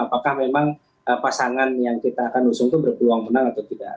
apakah memang pasangan yang kita akan usung itu berpeluang menang atau tidak